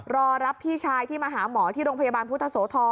รอรับพี่ชายที่มาหาหมอที่โรงพยาบาลพุทธโสธร